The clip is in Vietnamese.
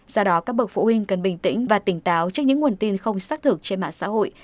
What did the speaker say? do đó các bậc phụ huynh cần bình tĩnh và tỉnh táo trước những nguồn tin không xác thực trên mạng xã hội